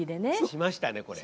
しましたねこれ。